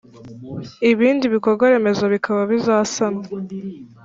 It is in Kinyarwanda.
ibindi bikorwa remezo bikaba bizasanwa